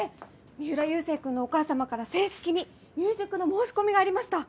三浦佑星君のお母様から正式に入塾の申し込みがありました！